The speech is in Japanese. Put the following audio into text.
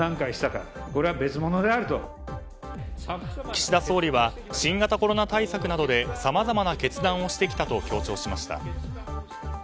岸田総理は新型コロナ対策などでさまざまな決断をしてきたと強調しました。